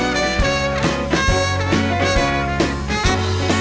สปาเกตตี้ปลาทู